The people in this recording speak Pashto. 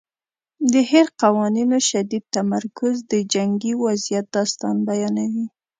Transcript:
د هیر قوانینو شدید تمرکز د جنګي وضعیت داستان بیانوي.